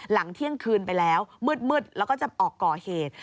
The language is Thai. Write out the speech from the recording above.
หลังเที่ยงคืนไปแล้วมืดแล้วก็จะออกก่อเหตุ